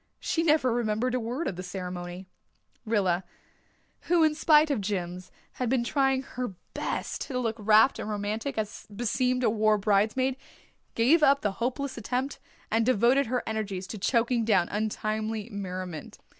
She never remembered a word of the ceremony. Rilla, who in spite of Jims, had been trying her best to look rapt and romantic, as beseemed a war bridesmaid, gave up the hopeless attempt, and devoted her energies to choking down untimely merriment.